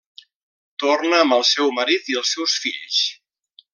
Torna amb el seu marit i els seus fills.